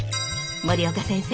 森岡先生